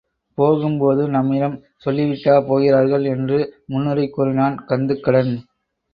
போகும்போது நம்மிடம் சொல்லி விட்டா போகிறார்கள் என்று முன்னுரை கூறினான் கந்துக்கடன்.